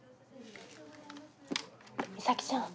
美咲ちゃん。